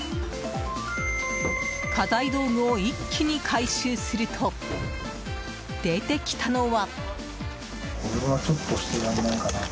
家財道具を一気に回収すると出てきたのは。